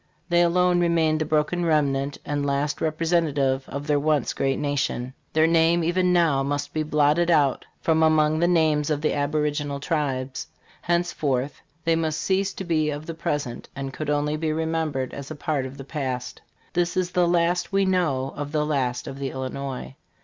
They alone remained the broken remnant and last representatives of their once great nation. Their name, even now, must be blotted out from among 58 STARVED ROCK : A HISTORICAL SKETCH. the names of the aboriginal tribes. Henceforth they must cease to be of the present, and could only be remembered as a part o*f the past. This is the last we know of the last of the Illinois.